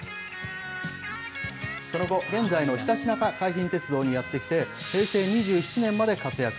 その後、現在のひたちなか海浜鉄道にやって来て、平成２７年まで活躍。